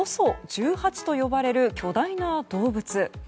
ＯＳＯ１８と呼ばれる巨大な動物。